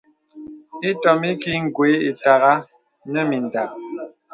Itɔ̀m iki gwe ìtàghà nə mìndàk.